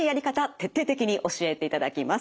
徹底的に教えていただきます。